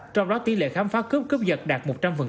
trong đó tỷ lệ khám phá cướp cướp giật đạt một trăm linh